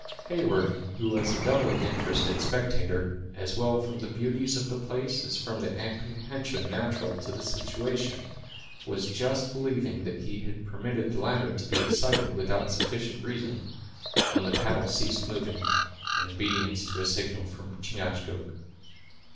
Heyward, who was a doubly interested spectator, as well from the beauties of the place as from the apprehension natural to his situation, was just believing that he had permitted the latter to be excited without sufficient reason, when the paddle ceased moving, in obedience to a signal from Chingachgook.